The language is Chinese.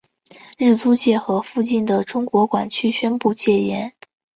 日租界和附近的中国管区宣布戒严。